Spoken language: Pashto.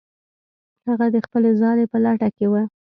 هغه د خپلې ځالې په لټه کې و.